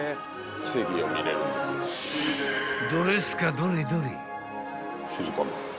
［どれすかどれどれ］